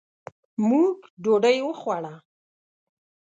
موږ ډوډۍ وخوړه.